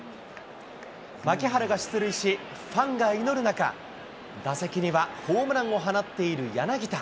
牧原が出塁し、ファンが祈る中、打席にはホームランを放っている柳田。